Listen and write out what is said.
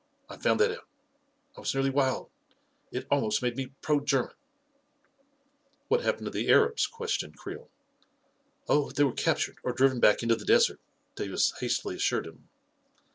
I found that out. I was nearly wild I It almost made me pro German !" "What happened to the Arabs?" questioned Creel. " Oh, they were captured or driven back into the desert," Davis hastily assured him.